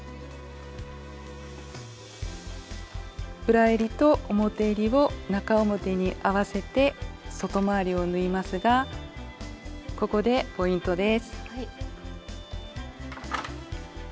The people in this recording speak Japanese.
裏えりと表えりを中表に合わせて外回りを縫いますがここでポイントです。